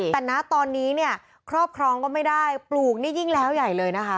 แต่ตอนนี้ครอบคร้องก็ไม่ได้ปลูกนี่ยิ่งแล้วยยเลยนะคะ